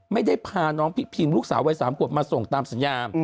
ไม่ได้พาน้องพี่พิมลูกสาววัย๓ขวบมาส่งตามสัญญา